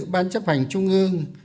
ban chấp hành trung ương